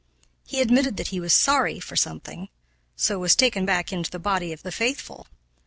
He admitted that he was "sorry" for something, so was taken back into the body of the faithful!